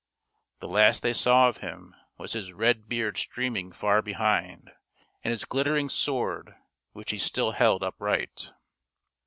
The last they saw of him was his red beard stream ing far behind, and his glittering sword, which he still held upright.